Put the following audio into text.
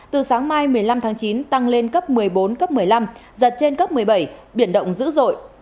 từ sáng mai một mươi năm tháng chín tăng lên cấp một mươi bốn cấp một mươi năm giật trên cấp một mươi bảy biển động dữ dội